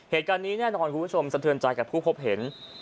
เหตุการณ์นี้แน่นอนคุณผู้ชมสะเทือนใจกับผู้พบเห็น